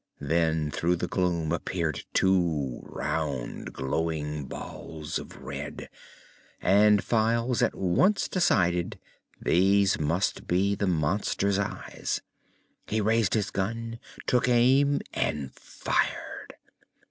Then through the gloom appeared two round, glowing balls of red, and Files at once decided these must be the monster's eyes. He raised his gun, took aim and fired.